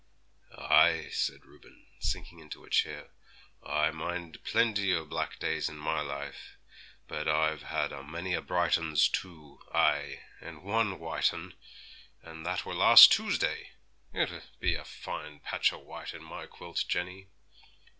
'Ay,' said Reuben, sinking into a chair; 'I mind plenty o' black days in my life; but I've had a many bright 'uns too ay, and one white 'un, and that were last Toosday! It be a fine patch o' white in my quilt, Jenny!'